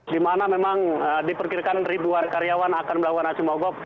dimana memang diperkirakan ribuan karyawan akan melakukan aksi mogok